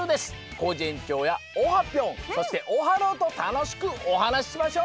コージえんちょうやオハぴょんそしてオハローとたのしくおはなししましょう！